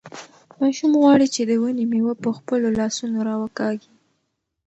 ماشوم غواړي چې د ونې مېوه په خپلو لاسونو راوکاږي.